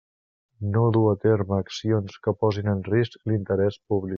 No dur a terme accions que posin en risc l'interès públic.